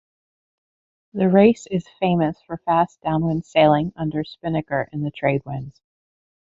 The race is famous for fast downwind sailing under spinnaker in the trade winds.